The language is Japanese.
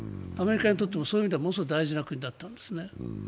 アメリカにとってもそういう意味ではもものすごく大事な国だったんですね。